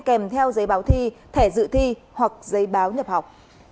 kèm theo giấy báo thi thẻ dự thi hoặc giấy báo nhập học